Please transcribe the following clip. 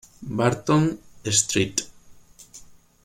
Barton St.